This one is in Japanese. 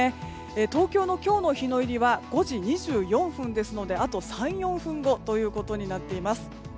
東京の今日の日の入りは５時２４分ですのであと３４分後ということになっています。